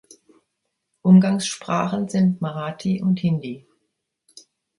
Umgangssprachen sind Marathi und Hindi.